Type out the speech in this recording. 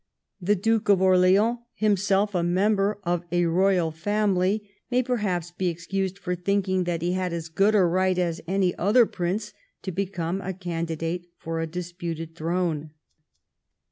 The Duke of Orleans, himself a member of a royal family, may perhaps be excused for thinking that he D 2 36 THE REIGN OF QUEEN ANNE. ch. xxn. had as good a right as any other Prince to become a candidate for a disputed throne.